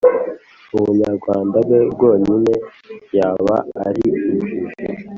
ubunyarwanda bwe bwonyine, yaba ari injiji;